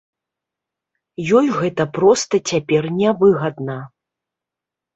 Ёй гэта проста цяпер нявыгадна!